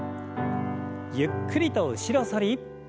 ゆっくりと後ろ反り。